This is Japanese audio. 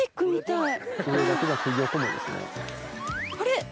あれ？